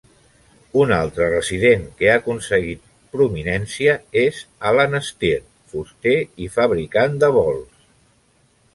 Un altre resident que ha aconseguit prominència és Alan Stirt, fuster i fabricant de bols.